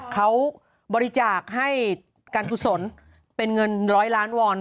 เขาบริจาคให้การกุศลเป็นเงิน๑๐๐๐๐๐๐๐๐วอล